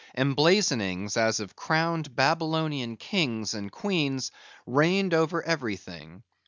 Emblazonings, as of crowned Babylonian kings and queens, reigned over everything.